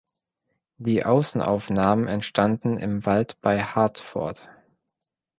Die Außenaufnahmen entstanden im Wald bei Hartford.